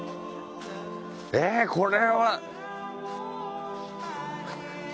えっこれは。